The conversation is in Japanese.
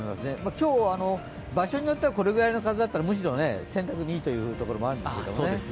今日、場所によってはこれくらいの風だったらむしろ洗濯にいいというところもあるでしょうね。